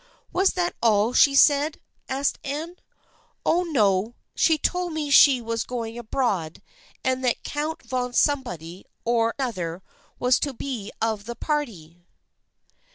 " Was that all she said ?" asked Anne. " Oh, no, she told me she was going abroad and that Count von somebody or other was to be of the party."